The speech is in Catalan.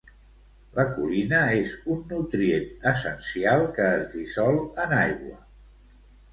La colina és un nutrient essencial que es dissol en aigua.